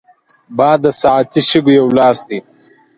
باد د ساعتي شګو یو لاس دی